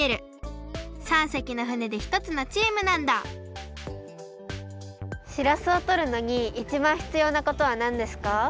３せきの船でひとつのチームなんだしらすをとるのにいちばんひつようなことはなんですか？